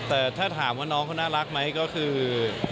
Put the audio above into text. แต่ถ้าถามว่าน้องเขาน่ารักไหมก็คือ